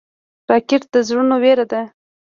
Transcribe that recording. راکټ د زړونو وېره ده